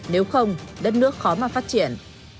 nếu không đất nước khó mà phát triển